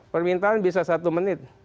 permintaan bisa satu menit